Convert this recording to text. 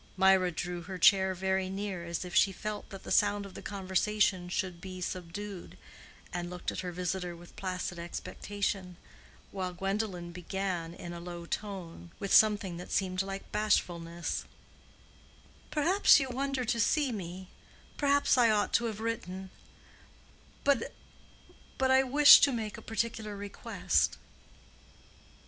Mirah drew her chair very near, as if she felt that the sound of the conversation should be subdued, and looked at her visitor with placid expectation, while Gwendolen began in a low tone, with something that seemed like bashfulness, "Perhaps you wonder to see me—perhaps I ought to have written—but I wished to make a particular request."